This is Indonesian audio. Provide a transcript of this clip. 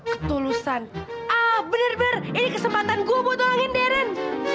ketulusan ah bener bener ini kesempatan gue buat nolongin darren